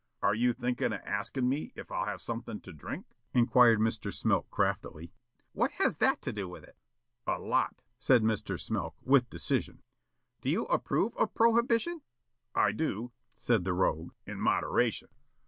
"Are you thinkin' of askin' me if I'll have something to drink?" inquired Mr. Smilk craftily. "What has that to do with it?" "A lot," said Mr. Smilk, with decision. "Do you approve of prohibition?" "I do," said the rogue. "In moderation."